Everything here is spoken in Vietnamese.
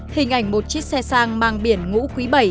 hình ảnh một chiếc xe sang mang biển ngũ quý bảy